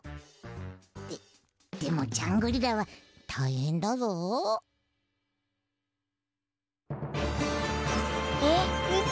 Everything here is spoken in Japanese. ででもジャングリラはたいへんだぞ。あっみて！